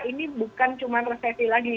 ini bukan cuma resesi lagi